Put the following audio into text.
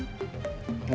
gak ada pak nihil